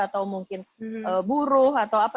atau mungkin buruh atau apa